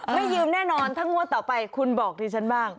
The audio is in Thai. ไม่ยืมแน่นอนถ้างวดต่อไปคุณบอกดิฉันบ้าง